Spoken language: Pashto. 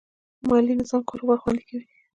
مالي نظم کاروبار خوندي کوي.